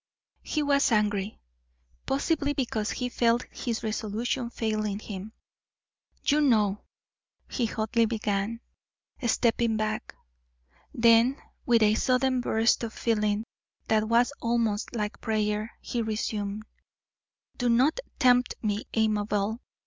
He was angry; possibly because he felt his resolution failing him. "You know!" he hotly began, stepping back. Then with a sudden burst of feeling, that was almost like prayer, he resumed: "Do not tempt me, Amabel.